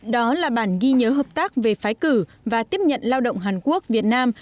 đó là bản ghi nhớ hợp tác về phái cử và tiếp nhận lao động hàn quốc việt nam